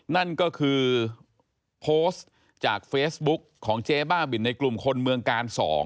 นั่นก็คือโพสต์จากเฟซบุ๊กของเจ๊บ้าบินในกลุ่มคนเมืองกาล๒